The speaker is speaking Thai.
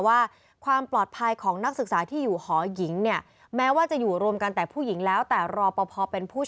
ไปหาลักษณะที่แชร์กันทางเฟซบู๊ก